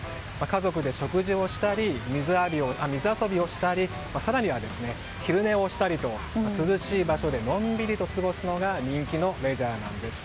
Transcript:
家族で食事をしたり水遊びをしたり更には、昼寝をしたりと涼しい場所でのんびりと過ごすのが人気のレジャーなんです。